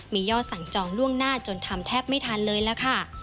มียอดสั่งจองล่วงหน้าจนทำแทบไม่ทันเลยล่ะค่ะ